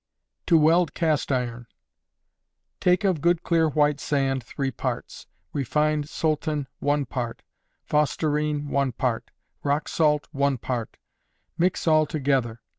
To Weld Cast Iron. Take of good clear white sand, three parts; refined solton, one part; fosterine, one part; rock salt, one part; mix all together.